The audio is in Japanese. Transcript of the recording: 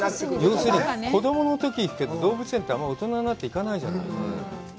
要するに、子供のときって、動物園って、あまり大人になって行かないじゃない。